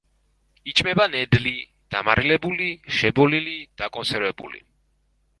იჭმება ნედლი, დამარილებული, შებოლილი დაკონსერვებული.